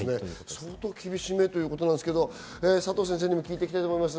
相当厳しめってことですけど、佐藤先生にも聞いていきたいと思います。